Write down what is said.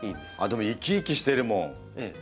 でも生き生きしてるもんねえ